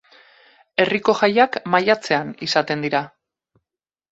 Herriko jaiak maiatzean izaten dira.